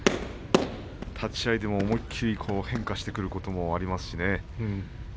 立ち合いで思い切り変化してくることもありますしね。